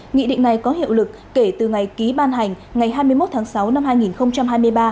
nghị định này có hiệu lực kể từ ngày ký ban hành ngày hai mươi một tháng sáu năm hai nghìn hai mươi ba